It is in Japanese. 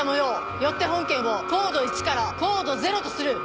よって本件をコード１からコード０とする。